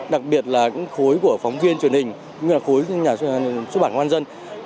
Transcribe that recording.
đặc biệt là những khối của phóng viên truyền hình như là khối nhà xuất bản quan dân